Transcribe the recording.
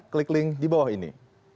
klik link di bawah ini